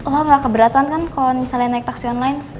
lo gak keberatan kan kalo misalnya naik taksi online